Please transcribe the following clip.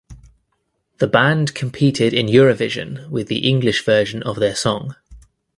The band competed in Eurovision with the English version of their song.